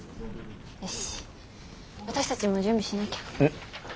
よし私たちも準備しなきゃ。